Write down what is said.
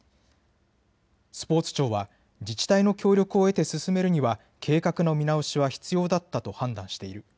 スポーツ庁は自治体の協力を得て進めるには計画の見直しは必要だったと判断している。